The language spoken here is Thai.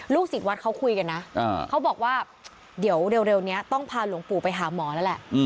ศิษย์วัดเขาคุยกันนะเขาบอกว่าเดี๋ยวเร็วนี้ต้องพาหลวงปู่ไปหาหมอแล้วแหละ